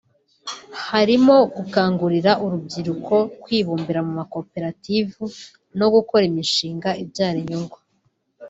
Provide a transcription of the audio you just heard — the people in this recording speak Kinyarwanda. harimo gukangurira urubyiruko kwibumbira mu makoperative no gukora imishinga ibyara inyungu